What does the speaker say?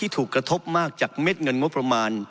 ถูกกระทบมากจากเม็ดเงินงบประมาณ